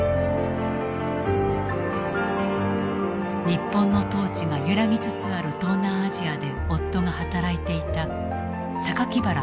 日本の統治が揺らぎつつある東南アジアで夫が働いていた原喜佐子。